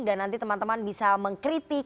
dan nanti teman teman bisa mengkritik